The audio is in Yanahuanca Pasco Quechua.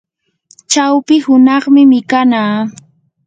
chawpi hunaqmi mikanaa.